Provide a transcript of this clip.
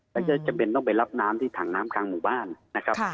แล้วก็จำเป็นต้องไปรับน้ำที่ถังน้ำกลางหมู่บ้านนะครับ